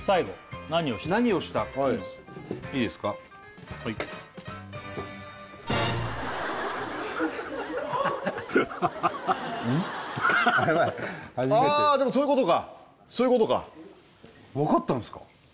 初めてああでもそういうことかそういうことか分かったんすか？